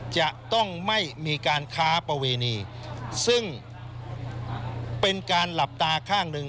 จะต้องไม่มีการค้าประเวณีซึ่งเป็นการหลับตาข้างหนึ่ง